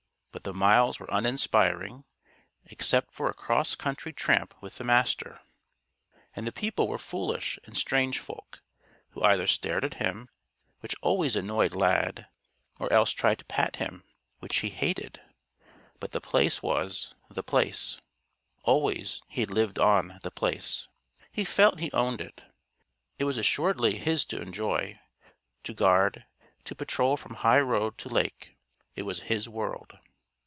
But the miles were uninspiring, except for a cross country tramp with the Master. And the people were foolish and strange folk who either stared at him which always annoyed Lad or else tried to pat him; which he hated. But The Place was The Place. Always, he had lived on The Place. He felt he owned it. It was assuredly his to enjoy, to guard, to patrol from high road to lake. It was his world.